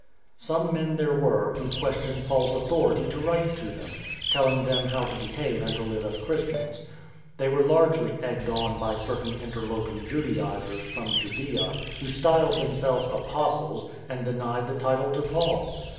Some men there were who questioned Paul's author ity to write to them, telling them how to behave and to live as Christians. They were largely egged on by certain interloping Judaizers from Judaea, who styled themselves " Apostles," and denied the title to Paul.